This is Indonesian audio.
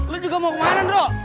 lo juga mau kemana bro